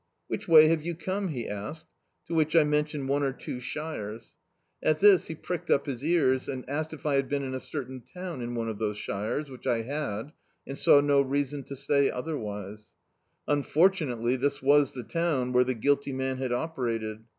"Which way have you come?" he asked. To which I mentioned one or two shires. At this he pricked up his ears, and asked if I had been in a certain town in one of those shires, which I had, and saw no reason to say otherwise. Unfortunately this was the town where the guilty man had operated.